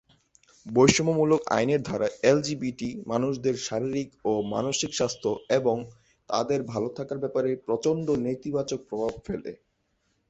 বৈষম্যমূলক আইনের ধারা এলজিবিটি মানুষদের শারীরিক ও মানসিক স্বাস্থ্য এবং তাঁদের ভাল থাকার ব্যাপারে প্রচণ্ড নেতিবাচক প্রভাব ফেলে।